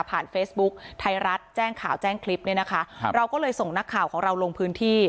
เฟซบุ๊คไทยรัฐแจ้งข่าวแจ้งคลิปเนี่ยนะคะครับเราก็เลยส่งนักข่าวของเราลงพื้นที่